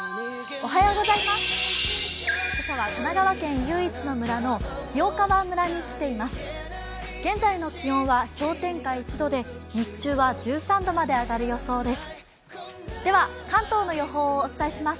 今朝は神奈川県唯一の村の清川村に来ています。